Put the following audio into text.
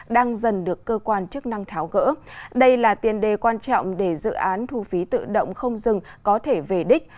đang dần được cơ quan chức năng tháo gỡ đây là tiền đề quan trọng để dự án thu phí tự động không dừng có thể về đích